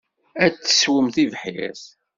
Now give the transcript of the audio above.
Ad tesswem tibḥirt.